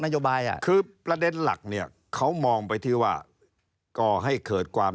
โยบายอ่ะคือประเด็นหลักเนี่ยเขามองไปที่ว่าก่อให้เกิดความ